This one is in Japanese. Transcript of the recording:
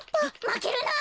まけるな！